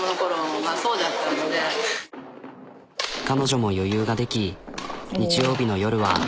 彼女も余裕ができ日曜日の夜は。